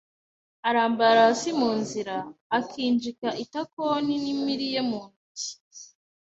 arambarara hasi mu nzira akinjika itakon'impiri ye mu ntoki